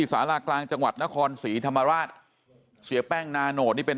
สารากลางจังหวัดนครศรีธรรมราชเสียแป้งนาโนตนี่เป็น